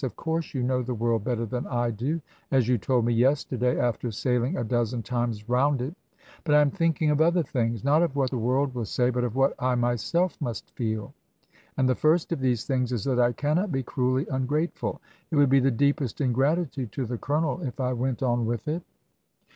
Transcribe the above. Of course you know the world better than I do, as you told me yesterday, after sailing a dozen times round it. But I am thinking of other things. Not of what the world will say, but of what I myself must feel. And the first of these things is that I cannot be cruelly ungrateful. It would be the deepest ingratitude to the Colonel if I went on with it."